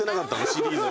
シリーズ。